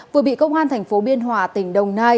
vừa bị công an thành phố biên hòa tỉnh đồng nai